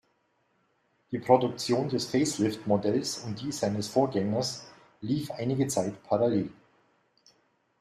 Die Produktion des Facelift Modells und die seines Vorgängers lief einige Zeit parallel.